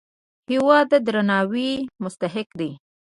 هېواد د درناوي مستحق دی.